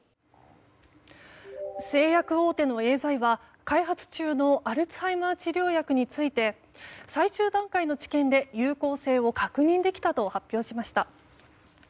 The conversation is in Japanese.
製薬大手のエーザイは開発中のアルツハイマー治療薬について最終段階の治験で、有効性を確認できたと発表しました。